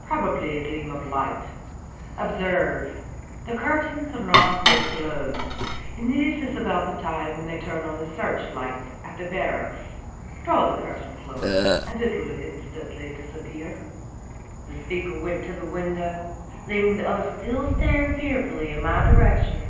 Probably a gleam of light. Observe, the curtains are not quite closed, and this is about the time when they turn on the searchlight at the barracks. Draw the curtains close and it will instantly disappear.' "The speaker went to the window, leaving the other still staring fearfully in my direction.